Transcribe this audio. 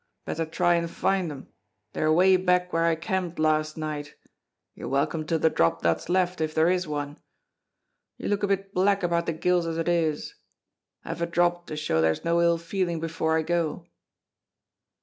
Better try and find 'em; they're away back where I camped last night; you're welcome to the drop that's left, if there is one. You look a bit black about the gills as it is. Have a drop to show there's no ill feeling before I go."